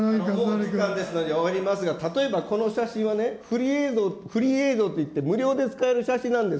時間ですので終わりますが、例えばこの写真はね、フリー映像といって、無料で使える写真なんです。